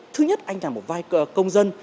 thứ nhất anh là một vai công dân